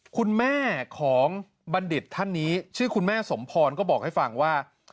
คุณแม่ของบัณฑิตท่านนี้ชื่อคุณแม่สมพรก็บอกให้ฟังว่า